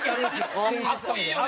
あそこいいよね。